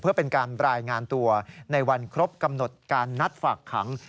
เพื่อเป็นการรายงานตัวในวันครบกำหนดการนัดฝากขัง